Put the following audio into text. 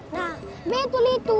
nah betul itu